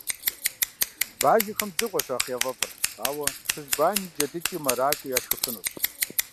Бажэхэм дзыгъуэщ нэхъ яфӀэфӀыр, ауэ цыжьбани, джэдыкӀи, мэракӀуи, яшхыфынущ.